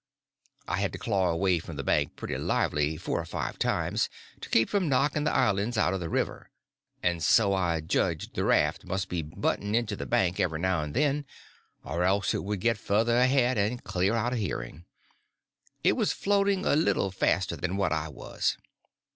I had to claw away from the bank pretty lively four or five times, to keep from knocking the islands out of the river; and so I judged the raft must be butting into the bank every now and then, or else it would get further ahead and clear out of hearing—it was floating a little faster than what I was.